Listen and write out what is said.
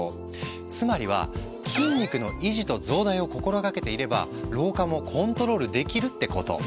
つまりは筋肉の維持と増大を心掛けていれば老化もコントロールできるってこと。